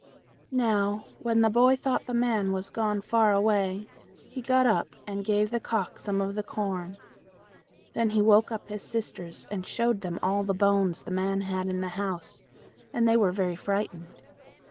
Now when the boy thought the man was gone far away, he got up, and gave the cock some of the corn; then he woke up his sisters and showed them all the bones the man had in the house, and they were very frightened.